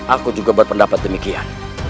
aku juga berpendapat demikian